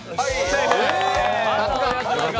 セーフ。